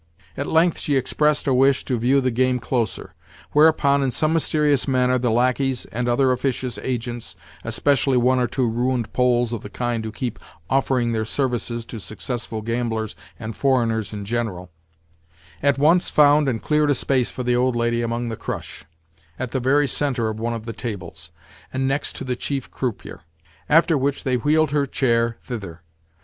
At length she expressed a wish to view the game closer; whereupon in some mysterious manner, the lacqueys and other officious agents (especially one or two ruined Poles of the kind who keep offering their services to successful gamblers and foreigners in general) at once found and cleared a space for the old lady among the crush, at the very centre of one of the tables, and next to the chief croupier; after which they wheeled her chair thither.